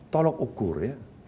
tolok ukur ya